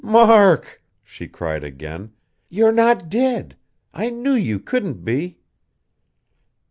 "Mark!" she cried again. "You're not dead. I knew you couldn't be...."